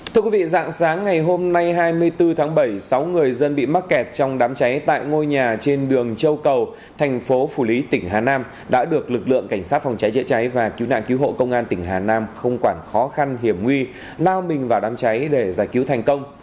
thưa quý vị dạng sáng ngày hôm nay hai mươi bốn tháng bảy sáu người dân bị mắc kẹt trong đám cháy tại ngôi nhà trên đường châu cầu thành phố phủ lý tỉnh hà nam đã được lực lượng cảnh sát phòng cháy chữa cháy và cứu nạn cứu hộ công an tỉnh hà nam không quản khó khăn hiểm nguy lao mình vào đám cháy để giải cứu thành công